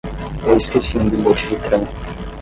Eu esqueci um bilhete de trem.